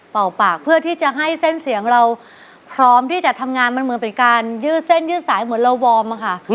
ปากเพื่อที่จะให้เส้นเสียงเราพร้อมที่จะทำงานมันเหมือนเป็นการยืดเส้นยืดสายเหมือนเราวอร์มอะค่ะ